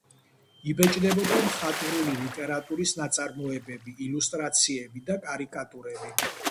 იბეჭდებოდა მხატვრული ლიტერატურის ნაწარმოებები, ილუსტრაციები და კარიკატურები.